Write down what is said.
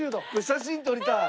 写真撮りたい。